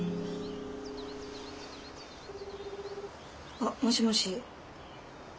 あっもしもし。